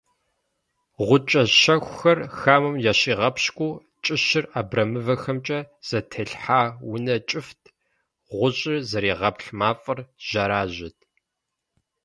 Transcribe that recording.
Гъукӏэ щэхухэр хамэм ящигъэпщкӏуу кӏыщыр абрэмывэхэмкӏэ зэтелъхьа унэ кӏыфӏт, гъущӏыр зэригъэплъ мафӏэр жьэражьэт.